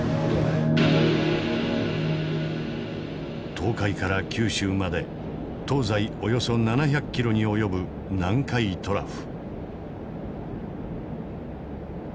東海から九州まで東西およそ７００キロに及ぶ南海トラフ。